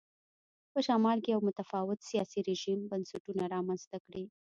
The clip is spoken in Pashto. په شمال کې یو متفاوت سیاسي رژیم بنسټونه رامنځته کړي.